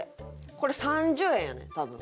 これ３０円やねん多分。